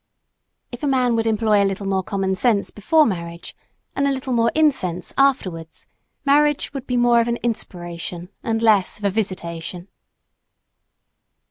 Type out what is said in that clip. If a man would employ a little more commonsense before marriage and a little more incense afterwards, matrimony would be more of an inspiration and less of a visitation.